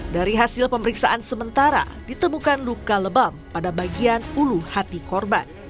dari hasil pemeriksaan sementara ditemukan luka lebam pada bagian ulu hati korban